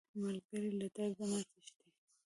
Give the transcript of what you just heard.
ملګری له درده نه تښتي